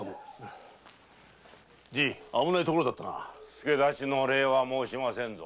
助太刀の礼は申しませんぞ。